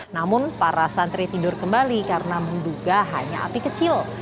namun para santri tidur kembali karena menduga hanya api kecil